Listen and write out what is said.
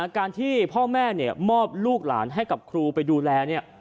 การที่พ่อแม่มอบลูกหลานให้กับครูไปดูแลเนี่ย